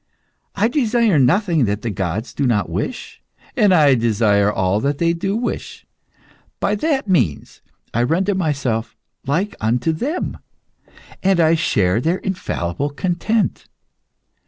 I desire nothing that the gods do not wish, and I desire all that they do wish. By that means I render myself like unto them, and share their infallible content.